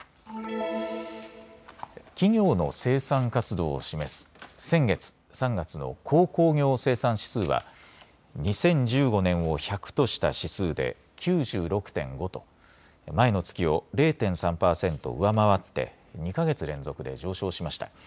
企業の生産活動を示す先月、３月の鉱工業生産指数は２０１５年を１００とした指数で９６．５と前の月を０．３％上回って２か月連続で上昇しました。